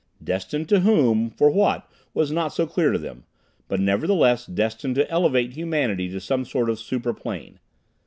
Destined to Whom, for What, was not so clear to them; but nevertheless destined to "elevate" humanity to some sort of super plane.